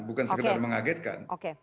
bukan sekedar mengagetkan oke oke